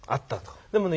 でもね